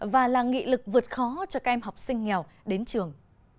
và là nghị lực vượt khó cho các em học sinh nghèo đến trường